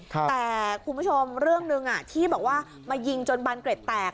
แต่คุณผู้ชมเรื่องหนึ่งที่บอกว่ามายิงจนบานเกร็ดแตก